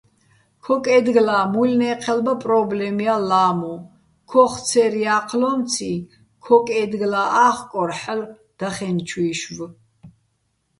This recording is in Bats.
ქო́კეჲდგლა́ მუჲლნე́ჴელბა პრო́ბლემ ჲარ ლა́მუ, ქოხ ცერ ჲა́ჴლო́მციჼ ქო́კეჲდგლა́ ა́ხკორ ჰ̦ალო̆ დახენჩუჲშვ.